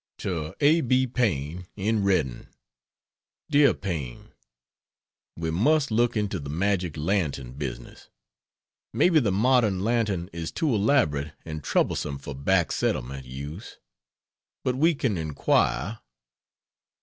To A. B. Paine, in Redding: DEAR PAINE, We must look into the magic lantern business. Maybe the modern lantern is too elaborate and troublesome for back settlement use, but we can inquire.